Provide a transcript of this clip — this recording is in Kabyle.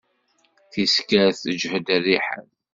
Tiskert teǧhed rriḥa-s.